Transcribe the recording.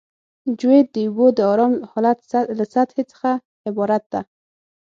جیوئید د اوبو د ارام حالت له سطحې څخه عبارت ده